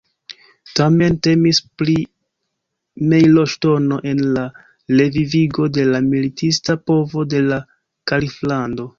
Tamen temis pri mejloŝtono en la revivigo de la militista povo de la kaliflando.